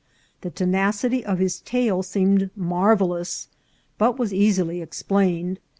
The tenacity of his tail seemed marvellous, but was easily explained.